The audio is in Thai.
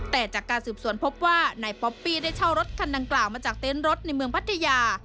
แต่จากการสืบสวนพบว่านายป๊อปปี้ได้เช่ารถคันดังกล่าวมาจากเต็นต์รถในเมืองพัทยา